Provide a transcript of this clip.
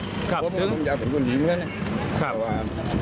เพราะมันยากเป็นคนดีเหมือนกันนะครับ